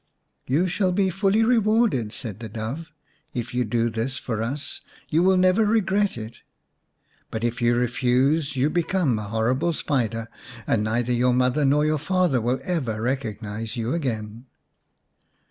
"You shall be fully rewarded," said the Dove ; "if you do this for us you will never regret it. But if you refuse you become a 244 xx The White Dove horrible spider, and neither your mother nor your father will ever recognise you again."